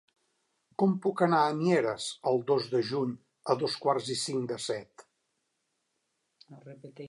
Com puc anar a Mieres el dos de juny a dos quarts i cinc de set?